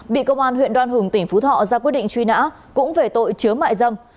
bị công an huyện đoan hùng tỉnh phú thọ ra quyết định truy nã cũng về tội chứa mại dâm